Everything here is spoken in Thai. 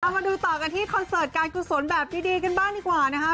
มาดูต่อกันที่คอนเสิร์ตการกุศลแบบดีกันบ้างดีกว่านะคะ